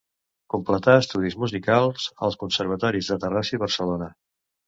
Completà estudis musicals als Conservatoris de Terrassa i Barcelona.